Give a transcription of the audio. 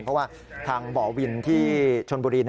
เพราะว่าทางบ่อวินที่ชนบุรี